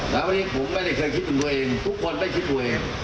แล้ววันนี้ผมไม่ได้เคยคิดถึงตัวเองทุกคนไม่คิดตัวเอง